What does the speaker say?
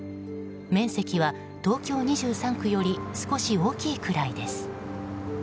面積は、東京２３区より少し大きいくらいです。